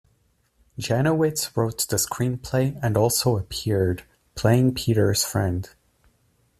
Janowitz wrote the screenplay and also appeared, playing Peters' friend.